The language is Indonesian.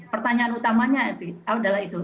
pertanyaan utamanya itu